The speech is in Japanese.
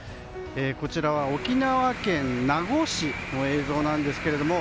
こちらは沖縄県名護市の映像です。